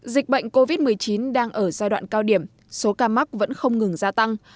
dịch bệnh covid một mươi chín đang ở giai đoạn cao điểm số ca mắc vẫn không ngừng gia tăng